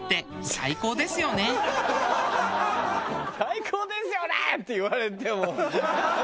「最高ですよね！」って言われても。